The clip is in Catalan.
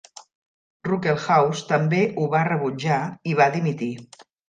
Ruckelshaus també ho va rebutjar i va dimitir.